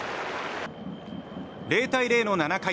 ０対０の７回。